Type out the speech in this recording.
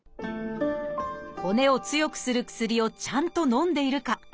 「骨を強くする薬をちゃんとのんでいるか」